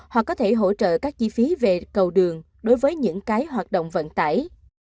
hoặc có thể hỗ trợ các chi phí về cầu đường đối với những cái hoạt động vận tải